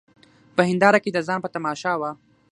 په هینداره کي د ځان په تماشا وه